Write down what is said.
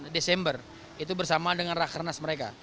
desember itu bersama dengan rakernas mereka